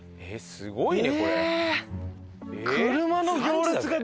すごいね。